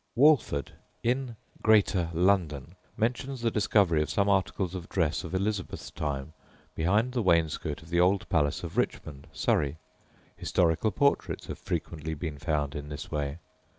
Walford, in Greater London, mentions the discovery of some articles of dress of Elizabeth's time behind the wainscot of the old palace of Richmond, Surrey. Historical portraits have frequently been found in this way.